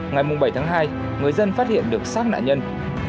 ngày bảy tháng hai người dân phát hiện được xác nạn nhân